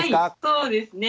そうですね。